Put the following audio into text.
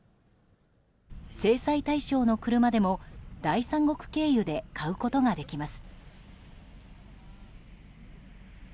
制裁対象の車でも第三国経由で買うことができます。